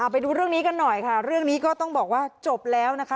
ไปดูเรื่องนี้กันหน่อยค่ะเรื่องนี้ก็ต้องบอกว่าจบแล้วนะคะ